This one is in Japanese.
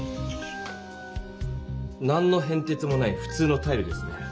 何のへんてつもないふ通のタイルですね。